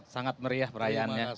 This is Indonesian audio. sangat meriah perayaannya